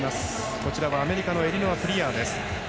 こちらはアメリカのエリノア・プリアー。